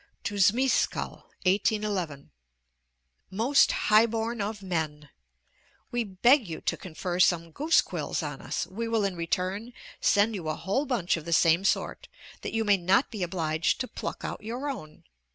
TO ZMESKALL 1811. Most high born of men! We beg you to confer some goose quills on us; we will in return send you a whole bunch of the same sort, that you may not be obliged to pluck out your own.